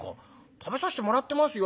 「食べさせてもらってますよ。